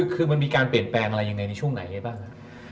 คือมันมีการเปลี่ยนแปลงอะไรยังไงในช่วงไหนได้บ้างครับ